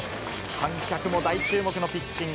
観客も大注目のピッチング。